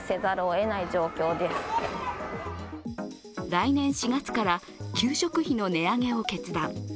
来年４月から給食費の値上げを決断。